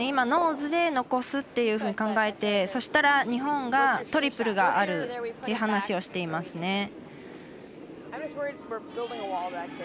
ノーズで残すというふうに考えて、そうしたら日本がトリプルがあるという話をしていますね。